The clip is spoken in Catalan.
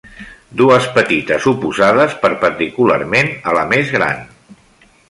Dues petites oposades perpendicularment a la més gran.